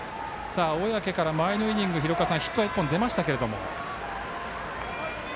小宅から前のイニングヒットは１本出ましたけれども。